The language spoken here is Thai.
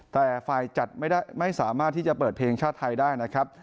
แต่ฝ่ายจัดไม่สามารถที่จะเปิดเพลงชาติไทยได้นะครับ